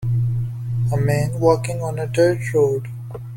A man walking on a dirt road.